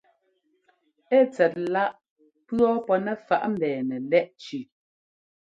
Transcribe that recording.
Ɛ́ tsɛt láꞌ pʉ̈ɔ́ pɔ́ nɛ faꞌ mbɛ́ɛnɛ lɛ́ꞌ tsʉʉ.